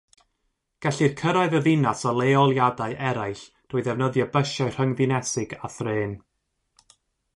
Gellir cyrraedd y ddinas o leoliadau eraill drwy ddefnyddio bysiau rhyng-ddinesig a thrên.